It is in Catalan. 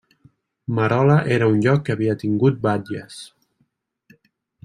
Merola era un lloc que havia tingut batlles.